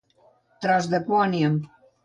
Tros de quòniam.